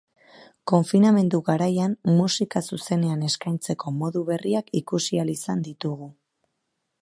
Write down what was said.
Konfinamendu garaian musika zuzenean eskaintzeko modu berriak ikusi ahal izan ditugu.